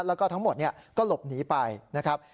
แล้วก็ทั้งหมดก็หลบหนีไปนะครับ